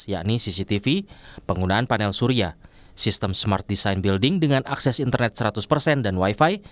yakni cctv penggunaan panel surya sistem smart design building dengan akses internet seratus persen dan wifi